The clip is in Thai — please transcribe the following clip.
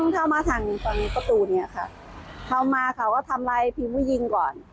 เข้ามาถังฟังประตูเนี่ยค่ะเข้ามาเขาก็ทำลายพี่ผู้หญิงก่อน